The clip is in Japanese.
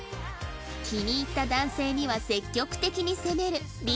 気に入った男性には積極的に攻める美女